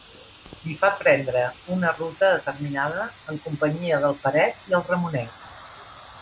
Li fa prendre una ruta determinada en companyia del Peret i el Ramonet.